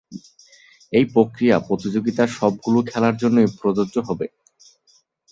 এ প্রক্রিয়া প্রতিযোগিতার সবগুলো খেলার জন্যেই প্রযোজ্য হবে।